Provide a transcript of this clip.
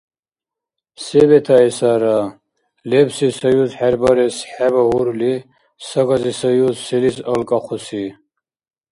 Се бетаэсара? Лебси Союз хӀербарес хӀебагьурли, сагаси Союз селис алкӀахъуси?